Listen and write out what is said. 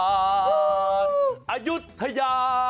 อายุทยา